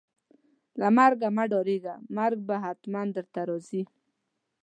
له مرګ مه ډاریږئ ، مرګ به ختمن درته راځي